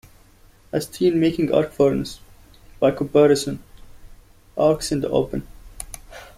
A steelmaking arc furnace, by comparison, arcs in the open.